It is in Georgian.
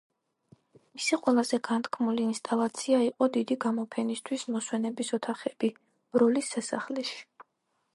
მისი ყველაზე განთქმული ინსტალაცია იყო დიდი გამოფენისთვის მოსვენების ოთახები ბროლის სასახლეში.